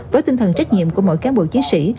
với tinh thần trách nhiệm của mỗi cán bộ chiến sĩ